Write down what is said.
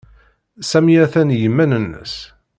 Sami a-t-an i yiman-nnes.